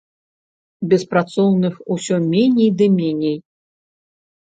Беспрацоўных усё меней ды меней.